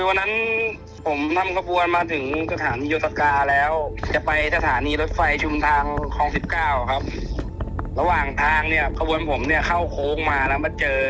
วันนั้นผมนำขบวนมาถึงสถานีโยสกาแล้วจะไปสถานีรถไฟชุมทางคลอง๑๙ครับระหว่างทางเนี่ยขบวนผมเนี่ยเข้าโค้งมาแล้วมาเจอ